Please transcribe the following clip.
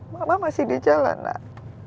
mama masih di jalan nak